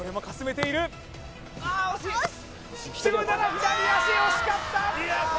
左足惜しかった！